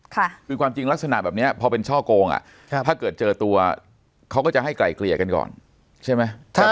คือความจริงลักษณะแบบนี้พอเป็นช่อโกงอ่ะถ้าเกิดเจอตัวเขาก็จะให้ไกลเกลี่ยกันก่อนใช่ไหม